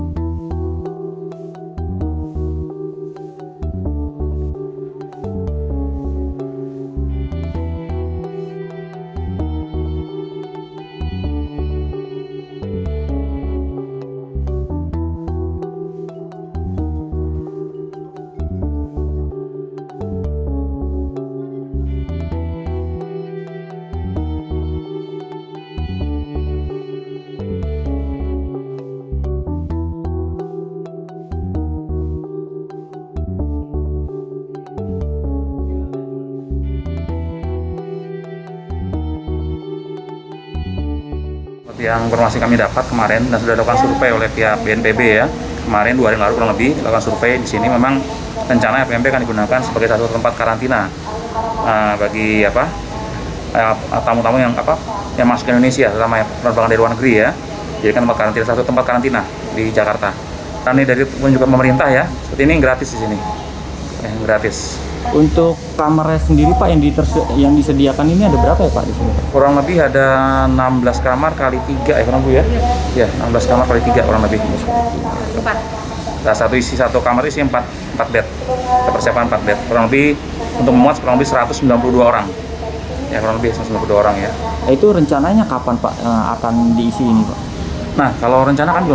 jangan lupa like share dan subscribe channel ini untuk dapat info terbaru dari kami